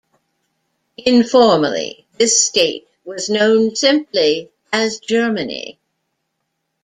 Informally, this state was known simply as Germany.